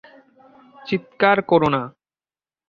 চিৎকার কোরো না।